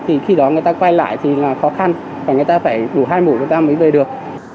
thì khi đó người ta quay lại thì là khó khăn và người ta phải đủ hai mủ người ta mới về được